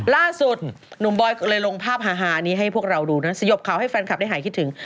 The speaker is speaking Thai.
ล่าสุดหนุ่มบอยก็เลยลงภาพฮานี้ให้พวกเราดูนะสยบข่าวให้แฟนคลับได้หายคิดถึง